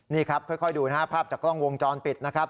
นี่ครับค่อยดูนะครับภาพจากกล้องวงจรปิดนะครับ